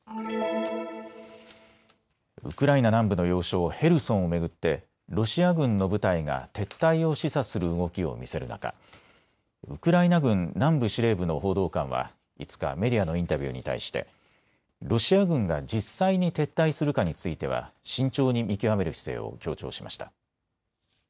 ウクライナ南部の要衝ヘルソンを巡ってロシア軍の部隊が撤退を示唆する動きを見せる中、ウクライナ軍南部司令部の報道官は５日、メディアのインタビューに対してロシア軍が実際に撤退するかについては慎重に見極める姿勢を強調しました。